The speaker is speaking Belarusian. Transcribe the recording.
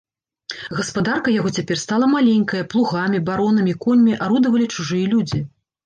Гаспадарка яго цяпер стала маленькая, плугамі, баронамі, коньмі арудавалі чужыя людзі.